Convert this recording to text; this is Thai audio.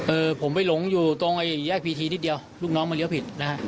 เออผมไปหลงอยู่ตรงไอ้แยกพีทีนิดเดียวลูกน้องมาเลี้ยวผิดนะฮะ